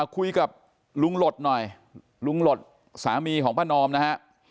คุยกับลุงหลดหน่อยลุงหลดสามีของป้านอมนะฮะ